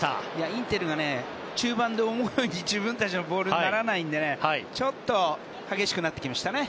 インテルが中盤で思うように自分たちのボールにならないからちょっと激しくなってきましたね。